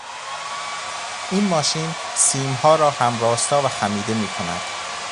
این ماشین سیمها را هم راستا و خمیده میکند.